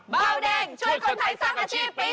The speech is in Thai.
เบาแดงช่วยคนไทยสร้างอาชีพปี๒